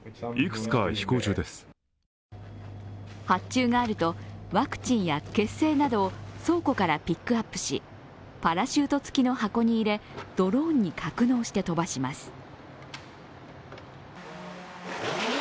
発注があるとワクチンや血清などを倉庫からピックアップしパラシュート付きの箱に入れ、ドローンに格納して飛ばします。